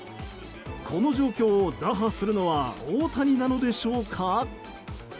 この状況を打破するのは大谷なのでしょうか。